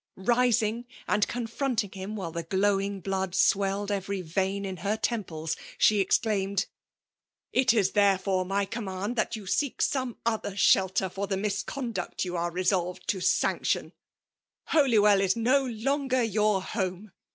Rising and ooafiviit* iBg him, while the glowmg Uood swtiisJ wery vein in her temples, she ezdaimed— '' It is thevefore'my^ommaBd tlatyoa seek bosm other ahelter for the miseondact jofa are le solved to sanction. Holywell is no longer your hone!